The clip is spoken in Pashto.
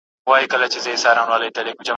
نن دي جهاني لکه پانوس لمبه، لمبه وینم